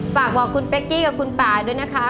ฝากบอกคุณเป๊กกี้กับคุณป่าด้วยนะคะ